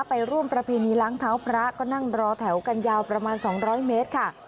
ไปร่วมประเพณีล้างเท้าพระก็นั่งรอแถวกันยาวประมาณ๒๐๐เมตรค่ะ